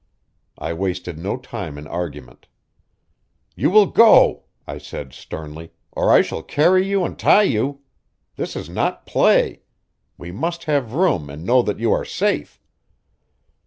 I wasted no time in argument. "You will go", I said sternly, "or I shall carry you and tie you. This is not play. We must have room and know that you are safe."